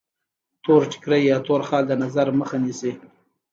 تور ټیکری یا تور خال د نظر مخه نیسي.